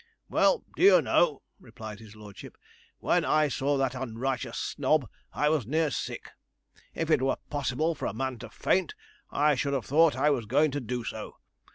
'Well, do you know,' replied his lordship, 'when I saw that unrighteous snob, I was near sick. If it were possible for a man to faint, I should have thought I was going to do so.